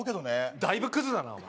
だいぶクズだな、お前。